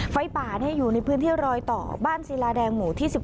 ไฟป่าอยู่ในพื้นที่รอยต่อบ้านศิลาแดงหมู่ที่๑๑